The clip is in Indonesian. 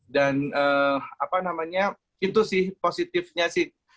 dan apa namanya itu sih positifnya sih